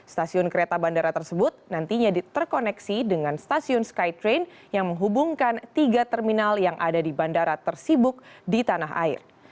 stasiun kereta bandara tersebut nantinya diterkoneksi dengan stasiun skytrain yang menghubungkan tiga terminal yang ada di bandara tersibuk di tanah air